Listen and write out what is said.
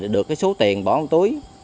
được số tiền bỏ trong túi